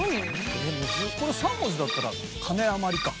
これ３文字だったら「金あまり」か。